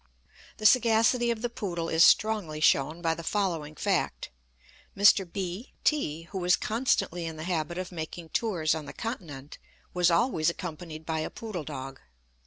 The sagacity of the poodle is strongly shown by the following fact. Mr. B t, who was constantly in the habit of making tours on the Continent, was always accompanied by a poodle dog.